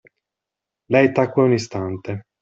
Lei tacque un istante.